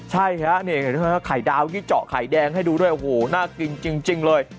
ใช่ครับไข่ดาวกิจ๋อไข่แดงให้ดูด้วยโหน่ากินจริงเลย